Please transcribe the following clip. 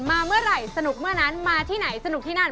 มาเมื่อไหร่สนุกเมื่อนั้นมาที่ไหนสนุกที่นั่น